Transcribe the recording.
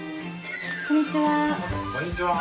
こんにちは。